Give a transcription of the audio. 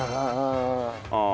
ああ。